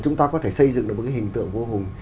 chúng ta có thể xây dựng được một cái hình tượng vua hùng